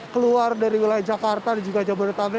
keluar dari wilayah jakarta dan juga jabodetabek